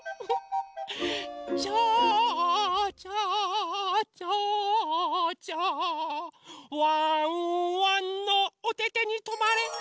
「ちょうちょちょうちょワンワンのおててにとまれ」